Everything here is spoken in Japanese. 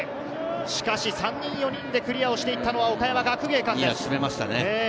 しかし、３人、４人でクリアをしていったのは岡山学芸館です。